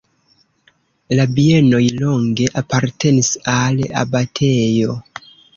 La bienoj longe apartenis al abatejo.